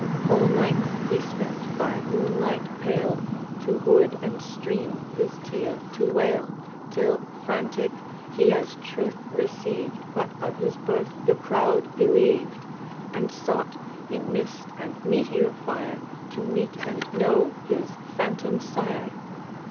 Whole nights he spent by moonlight pale To wood and stream his teal, to wail, Till, frantic, he as truth received What of his birth the crowd believed, And sought, in mist and meteor fire, To meet and know his Phantom Sire!